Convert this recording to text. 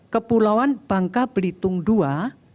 kepulauan bangka belitung ii